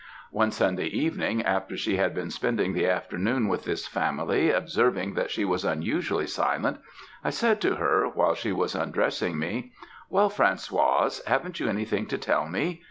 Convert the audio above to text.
"One Sunday evening, after she had been spending the afternoon with this family, observing that she was unusually silent, I said to her, while she was undressing me, 'Well, Françoise, haven't you anything to tell me?